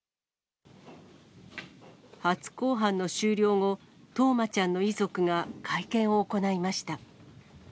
初公判の終了後、冬生ちゃんの遺族が会見を行いました。